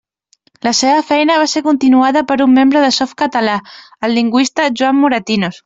La seva feina va ser continuada per un membre de Softcatalà, el lingüista Joan Moratinos.